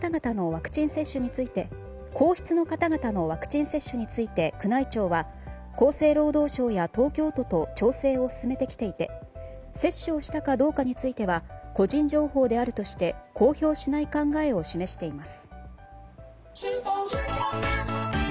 皇室の方々のワクチン接種について宮内庁は厚生労働省や東京都と調整を進めてきていて接種をしたかどうかについては個人情報であるとして公表しない考えを示しています。